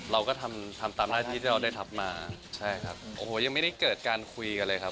เราก็ทำทำตามหน้าที่ที่เราได้ทำมาใช่ครับโอ้โหยังไม่ได้เกิดการคุยกันเลยครับ